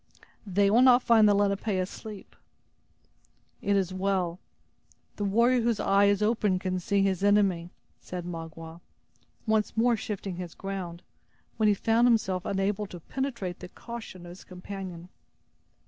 "They will not find the Lenape asleep." "It is well. The warrior whose eye is open can see his enemy," said Magua, once more shifting his ground, when he found himself unable to penetrate the caution of his companion.